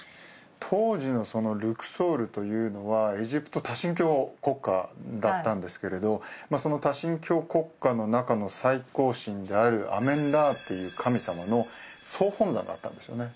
当時のそのルクソールというのはエジプト多神教国家だったんですけれどまあその多神教国家の中の最高神であるアメン・ラーっていう神様の総本山だったんですよね